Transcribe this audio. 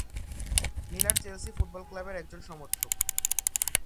Miller Chelsea football ক্লাবের একজন সমর্থক।